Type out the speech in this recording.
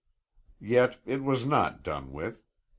Yet it was not done with.